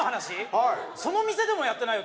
はいその店でもやってないよ